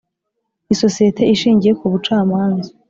isosiyete ishingiye kubucamanza.